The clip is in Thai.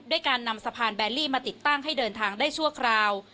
การนำสะพานแบลลี่มาติดตั้งให้เดินทางได้ชั่วคราว